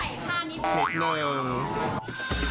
สวัสดีครับมาเจอกับแฟแล้วนะครับ